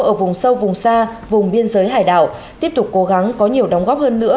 ở vùng sâu vùng xa vùng biên giới hải đảo tiếp tục cố gắng có nhiều đóng góp hơn nữa